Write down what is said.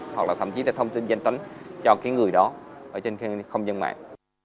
hoặc là thậm chí là thông tin danh tính cho cái người đó ở trên không gian mạng